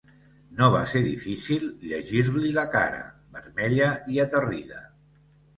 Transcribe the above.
No va ser difícil llegir-li la cara vermella i aterrida.